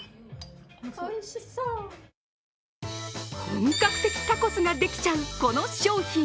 本格的タコスができちゃう、この商品。